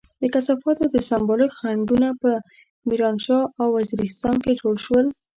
د کثافاتو د سمبالښت خندقونه په ميرانشاه او وزيرستان کې جوړ شول.